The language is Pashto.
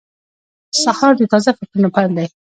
سهار د تازه فکرونو پیل دی.